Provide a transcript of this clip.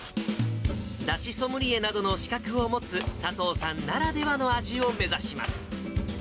だしソムリエなどの資格を持つ佐藤さんならではの味を目指します。